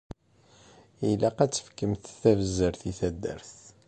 Ilaq ad tefkemt tabzert i taddart.